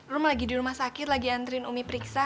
rum lagi di rumah sakit lagi antirin umi periksa